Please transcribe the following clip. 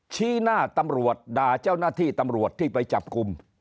ชี้หน้าตำรวจด่าเจ้าหน้าที่ตำรวจที่ไปจับกลุ่ม